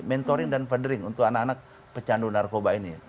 mentoring dan federing untuk anak anak pecandu narkoba ini